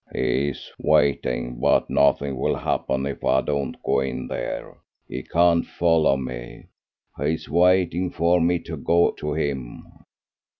"He's waiting; but nothing will happen if I don't go in there. He can't follow me; he is waiting for me to go to him."